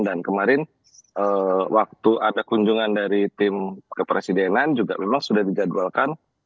dan kemarin waktu ada kunjungan dari tim kepresidenan juga memang sudah dijadwalkan